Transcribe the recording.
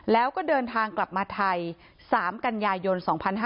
แล้วก็เดินทางกลับมาไทย๓กันยายน๒๕๕๙